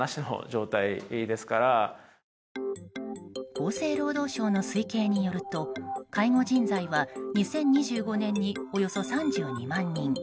厚生労働省の推計によると介護人材は２０２５年におよそ３２万人。